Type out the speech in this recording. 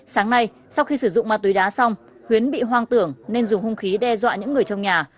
sáng nay sau khi sử dụng ma túy đá xong huyến bị hoang tưởng nên dùng hung khí đe dọa những người trong nhà